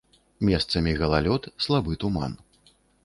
Месцамі галалёд, слабы туман.